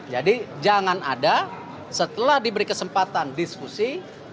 jadi jangan ada setelah diberi kesempatan diskusi